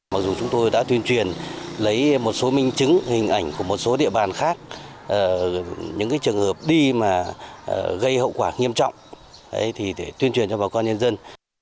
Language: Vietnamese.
mặc dù chúng tôi đã tuyên truyền lấy một số minh chứng hình ảnh của một số địa bàn khác những trường hợp đi gây hậu quả nghiêm trọng để tuyên truyền cho bà con nhân dân